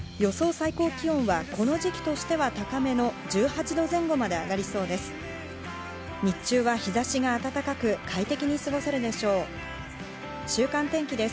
最高気温はこの時期としては高めの１８度前後まで上がりそうです。